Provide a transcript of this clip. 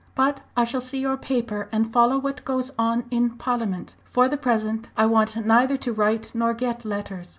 But I shall see your paper and follow what goes on in Parliament. For the present I want neither to write nor get letters.